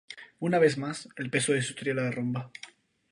Una vez más el peso de su historia la derrumba.